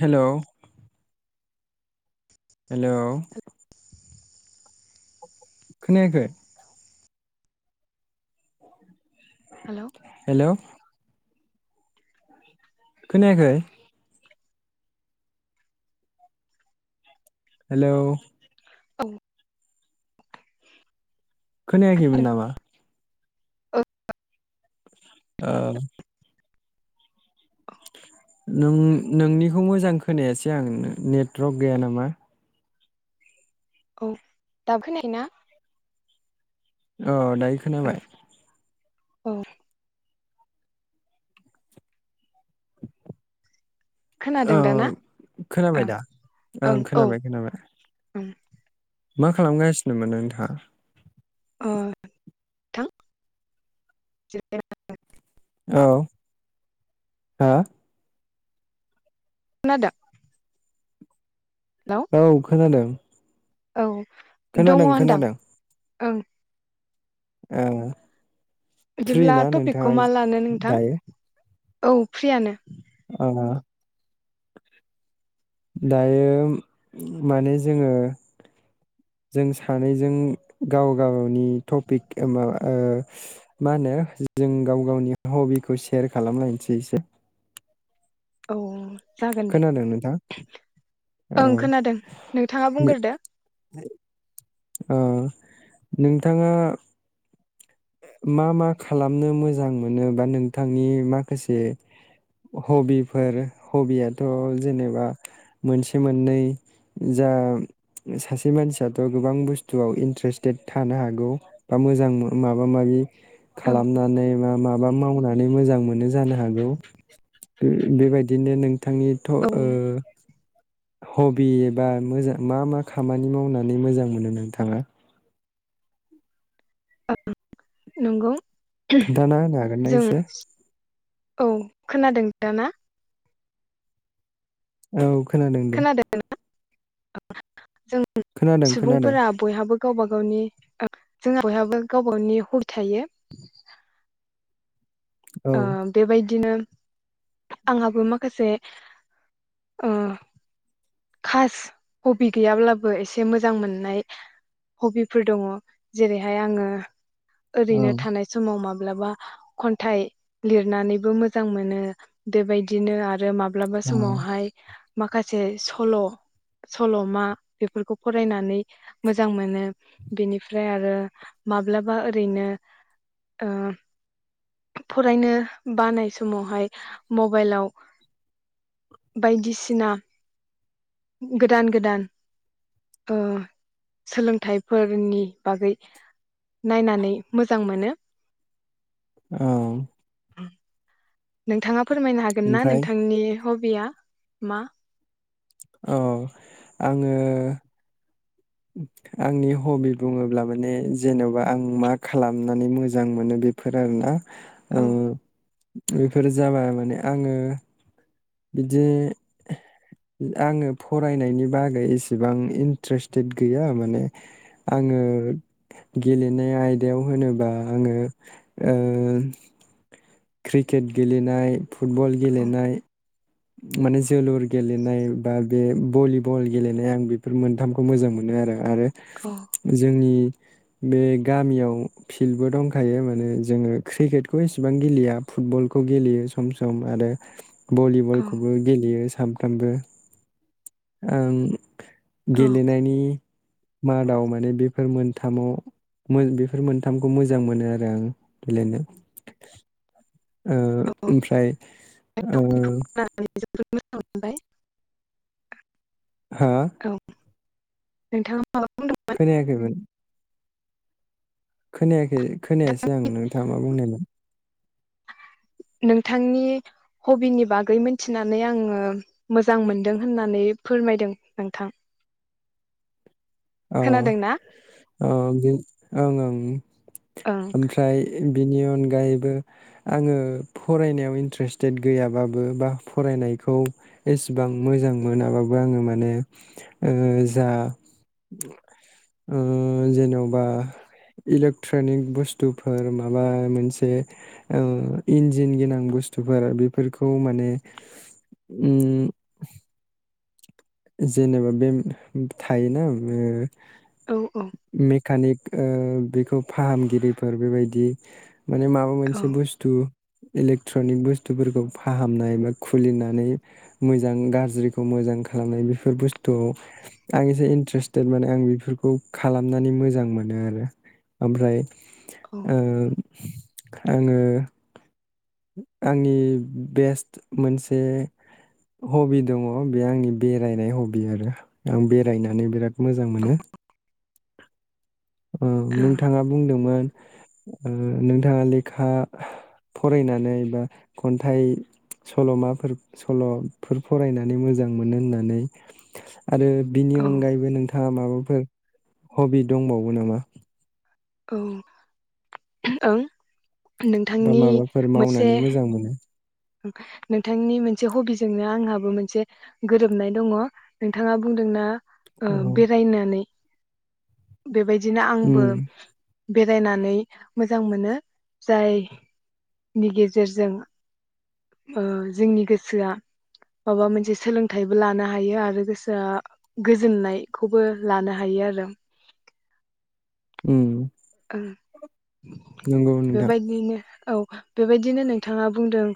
Hello. Hello. खोनायाखै। Hello [inaudible] hello. खोनायाखै? । Hello. औ। खोनायाखै मोन नामा? [unintelligible] औ। नों नोंनिखौ मोजां खोनायासै आं नेटवर्क गैया नामा। औ दाबो खोनायाखै ना? अ। दायो खोनाबाय। औ। खोनादों औ दाना ओं खोनाबाय दा ओं खोनाबाय खोनाबाय। ओम। मा खालामगासिनोमोन नोंथाङा? अ थां [unintelligible] औ हा? खानादों। औ खोनादों। औ। दङ खोनादों होनदां खोनादों। ओं। औ। बिदिब्ला टपिकखौ मा लानो नोंथां? औ फ्रियानो। ओं ओ दायो माने जोङो जों सानैजों गाव गावनि टपिक ओ माबा ओ मा होनो जों गाव गावनि हबिखौ सेयार खालामलायसै एसे औ जागोन दे खोनादों नोंथां ओं औ खोनादों नोंथाङा बुंगोरदो? ओ नोंथाङा मा मा खालामनो मोजां मोनो बा नोंथांनि माखासे हबिफोर हबियाथ जेनेबा मोनसे मोननै जा सासे मानसियाथ गोबां बुस्थुआव इन्ट्रेस्टेड थानो हागौ बा मोजां मो माबा माबि औ खालामनानै मा माबा मावना नै मोजां मोनो जानो हागौ बेबायदिनो नों थांनि थ' ओ औ हबि एबा मोजां मा मा खामानि मावनानै मोजां मोनो नोंथाङा? ओ ओं नंगौ। खोन्थाना होनो हागोनना जों इसे? औ खोनादों दा ना? औ खोनादों दे। जों खोनादों खोनादों सुबुंफोरा बयहाबो गावबा गावनि ओ जोंहा बयहाबो गावबा गावनि हबि थायो। औ ओं बेबायदिनो आंहाबो माखासे ओ खास हबि गैयाब्लाबो एसे मोजां मोननाय हबिफोर दङ जेरैहाय आङो औ ओरैनो थानाय समाव मा ब्लाबा खन्थाय लिरनानैबो मोजां मोनो बेबादिनो आरो माब ब्लाबा औ समावहाय माखासे स सल' सल'मा बेफोरखौ फरायनानै मोजां मोनो बेनिफ्राय आरो माब्लाबा ओरैनो ओ फरायनो बानाय समावहाय मबाइलाव बायदिसिना गोदान गोदान ओ सोलोंथाइफोरनि बागै नायनानै मोजां मोनो। औ [inaudible] नोंथाङा फोरमायनो हागोन ना ओमफ्राय नोंथांनि हबिया मा? औ आङो आंनि हबि बुङोब्ला माने जेनबा आं मा खालामनानै मोजां मोनो बेफोर आरोना? ओ औ बेफोर जाबाय माने आङो। बिदि आङो फरायनायनि बागै एसेबां इन्ट्रेस्टेट गैया माने आङो गेलेनाय आयदायाव होनोबा आङो ओ क्रिकेट गेलेनाय फुटबल औ गेलेनाय माने जोलुर गेलेनाय बा बे भलिबल गेलेनाय आं बेफोर मोनथामखौ मोजां मोनो आरो । औ आरो जोंनि बे गामियाव फिल्डबो दंखायो माने जोङो क्रिकेटखौ एसेबां गेलेया फुटबलखौ गेलेयो सम सम आरो भलि औ खौबो गेलेयो सान फ्रामबो आं औ गेलेनायनि मादाव माने बेफोर मोनथामाव मोन बेफोर मोनथामखौ मोजां मोनो आरो आं गेलेनो ओ औ ओमफ्राय ओ खोनानानै [unintelligible] हा? औ नोंथां खोनायाखैमोन। खोनाया खै खोनायासै आं नोंथाङा मा बुंनायमोन नोंथांनि हबिनि बागै मोनथिनानै आङो मोजां मोनदों होननानै फोरमायदों नोंथां। औ ओ खोनादोंना ओं ओं ओं ओमफ्राय बिनि अनगायैबो आङो फरायनायाव इन्ट्रेस्टेट गैयाबाबो बा फरायनायखौ एसेबां मोजां मोनाबाबो आङो माने ओ जा ओ जेनबा इलेक्ट्रनिक बुस्थुफोर माबा मोनसे औ इन्जिन गोनां बुस्थुफोर बेफोरखौ माने ओम जेनेबा बे थायोना ओम औ औ ओ मेखानिक ओ बेखौ फाहामगिरिफोर बेबायदि माने माबा मोनसे बुस्थु इलेक्ट्रनिक बुस्थुफोरखौ फाहामनाय बा खुलिनानै मोजां गाज्रिखौ मोजां खालामनाय बेफोर बुस्थु आं एसे इन्टारेस्टेद माने आं बेफोरखौ खालामनानै मोजां मोनो आरो ओमफ्राय औ ओ आङो आंनि बेस्ट मोनसे हबि दङ बे आंनि बेरायनाय हबि आरो आं बेरायनानै बिराद मोजां मोनो औ नोंथाङा बुंदोंमोन ओ नोंथाङा लेखा फरायनानै बा खन्थाइ सल'माफोर सल'फोर फरायनानै मोजां मोनो होननानै। आरो बिनि ओं औ अनगायैबो नोंथाङा माबाफोर हबि दंबावो वोनामा? औ ओं। बा नोंथांनि माबाफोर मोनसे मावनानै मोजां मोनो? नोंथांनि मोनसे हबिजोंनो आंहाबो मोनसे गोरोबनाय दङ नोंथाङा बुंदोंना ओ औ बेरायनानै बेबाय दिनो उम आंबो बेरायनानै मोजां मोनो जाय नि गेजेरजों ओ जोंनि गोसोआ माबा मोनसे सोलोंथाइबो लानो हायो आरो गोसोआ गोजोननायखौबो लानो हायो आरो। उम। ओ। नंगौ नोंथां बेबायदिनो औ। बेबायदिनो नोंथाङा बुंदों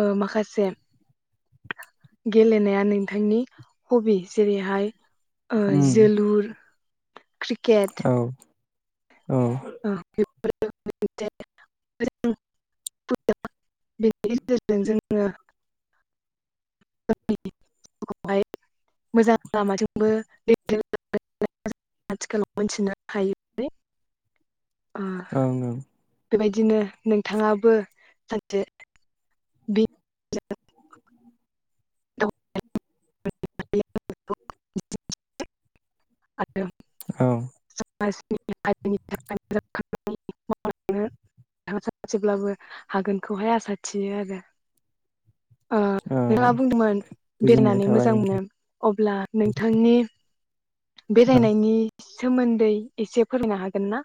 ओ माखासे गेलेनाया नोंथांनि हबि जेरैहाय ओ उम जोलुर क्रिकेट औ औ। [unintelligible] बेनि गेजेरजों जोङो [unintelligible] हाय मोजां लामाजोंबो [unintelligible] आथिखालाव मोनथिनो हायो। ओ ओं ओं। बेबायदिनो नोंथाङाबो सानसे बे आरो औ। [unintelligible] हारिनि थाखाय मोजां खामानि मावांनो सानसेब्लाबो हागोनखौहाय आसा थियो आरो। ओ औ नोंथाङा बुंदोंमोन गोजोननाय बेरायनानै थाबाय मोजां मोनो। अब्ला नोंथांनि औ बेरायनायनि सोमोन्दै एसे फोरनो हागोन ना?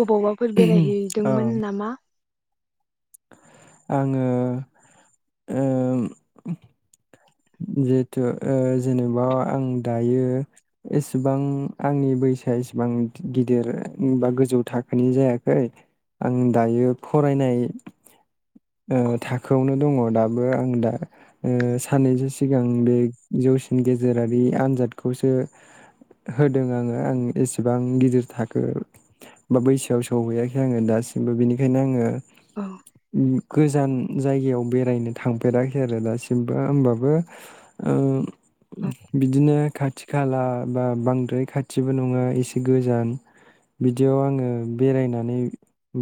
बबावबाफोर औ बेरायहैदोंमोन नामा? आङो ओम जिहेथु ओ जेनेबा आं दायो एसेबां आंनि बैसोआ एसेबां गिदिर बा गोजौ थाखोनि जायाखै आं दायो फरायनाय ओ थाखोआवनो दङ दाबो आं दा ओ साननैसो सिगां बे जौसिन गेजेरारि आनजादखौसो होदों आङो आं एसेबां गिदिर थाखो बा बैसोआव सौहैयाखै आङो दासिमबो बिनिखायनो आङो औ। गोजान जायगायाव बेरायनो थांफेराखै आरो दासिम। बा होमबाबो ओ बिदिनो खाथि खाला बा बांद्राय खाथिबो नङा एसे गोजान बिदियाव आङो बेरायनानै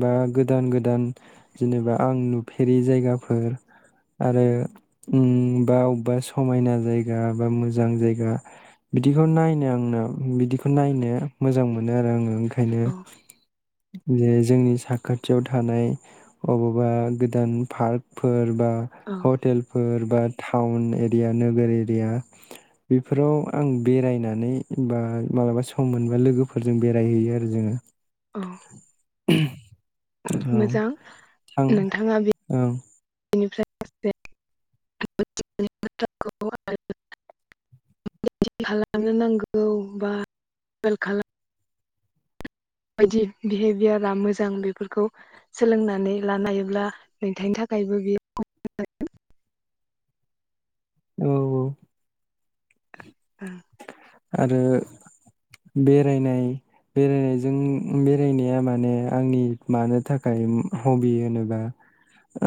बा गोदान गोदान जेनेबा आं नुफेरि जायगाफोर आरो उम बा अबेबा समायना जायगा बा मोजां जायगा बिदिखौ नायनो आंनो बिदिखौ नायनो मोजां मोनो आरो आङो ओं खायनो औ जे जोंनि साखाथियाव थानाय अबावबा गोदान पारखफोर बा औ हटेल फोर बा टाउन एरिया नोगोर एरिया बेफोराव आं बेरायनानै बा मालाबा सम मोनबा लोगोफोरजों बेरायहैयो आरो जोङो। अ औ मोजां थां नोंथाङा ओं [unintelligible] फ्राय [unintelligible] खालामनो नांगौ बा [unintelligible] माबायदि बिहेभियारा मोजां बेफोरखौ सोलोंनानै लानो हायोब्ला नोंथांनि थाखायबो बियो [unintelligible] औ औ औ आरो बेरायनाय बेरायनायजों बेरायनाया माने आंनि मानो थाखाय हबि होनोबा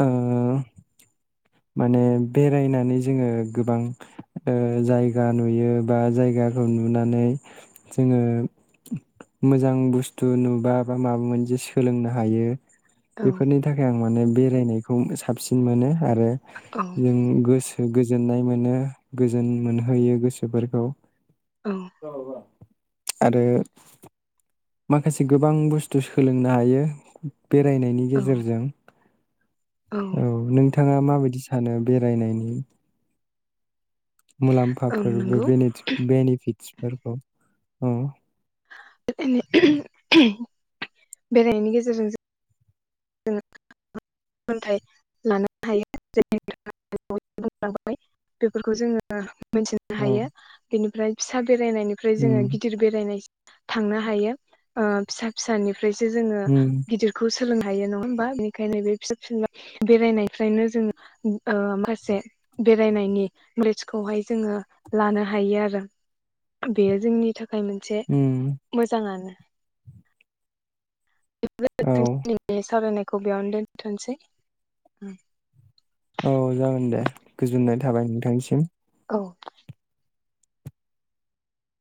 ओ माने बेरायनानै जोङो गोबां ओ जायगा नुयो बा जायगाखौ नुनानै जोङो मोजां बुस्थु नुबा बा माबा मोनसेे सोलोंनो हायो। औ बेफोरनि थाखाय आं माने बेरायनायखौ साबसिन मोनो आरो। औ नों गोस गोजोननाय मोनो गोजोन मोनहोयो गोसोफोरखौ। [unintelligible] आरो माखासे गोबां बुस्थु सोलोंनो हायो। बेरायनायनि औ गेजेरजों औ नोंथां थाङा माबायदि सानो बेरायनायनि औ मुलाम्फाफोरबो नंगौ बेनिटस बेनिफिटसफोरखौ अ [unintelligible] बेरायनायनि गेजेरजों जों सोलोंथाइ लानो हायो जेरै नोंथाङा [inaudible] बुंलांबाय बेफोरखौ जोङो। मोनथिनो औ हायो बेनिफ्राय फिसा बेरायनायनिफ्राय जोङो उम गिदिर बेरायनायसि थांनो हायो ओ फिसा फिसानि फ्रायसो जोङो उम गिदिरखौ सा सोलोंनो हायो नङा होमबा बेनिखायनो बे फिसा फिनला बेरायनायफ्रायनो जोङो ओ माखासे बेरायनायनि नलेस खौहाय जोङो लानो हायो आरो बेयो जोंनि थाखा खाय मोनसे उम मोजाङानो। औ [unintelligible] सावरायनाय खौ बियावनो दोनथोनसै। औ जागोन दे गोजोननाय थाबाय नोंथांनिसिम। औ।